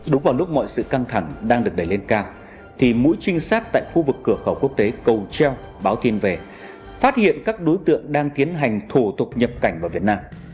đúng vào lúc mọi sự căng thẳng đang được đẩy lên cao thì mũi trinh sát tại khu vực cửa khẩu quốc tế cầu treo báo tin về phát hiện các đối tượng đang tiến hành thủ tục nhập cảnh vào việt nam